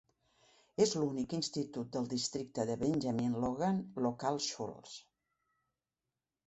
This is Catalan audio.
És l'únic institut del districte de Benjamin Logan Local Schools.